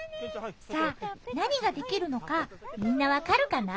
さあ何ができるのかみんな分かるかな？